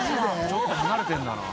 ちょっと離れてるんだな。